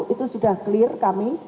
itu sudah clear kami